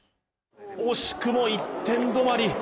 惜しくも１点止まり。